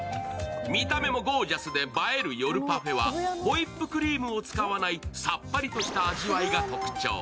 見た目もゴージャスで映える夜パフェはホイップクリームを使わないさっぱりとした味わいが特徴。